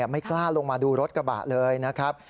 ไม่กล้าลงมาดูรถกระบะเลยนะครับ